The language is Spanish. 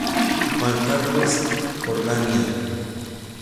Juan Carlos Onganía.